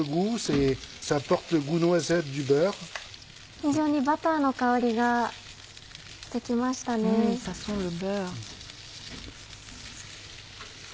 非常にバターの香りがして来ましたね。